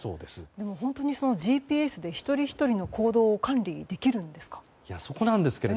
でも本当にＧＰＳで一人ひとりの行動を管理できるんですか。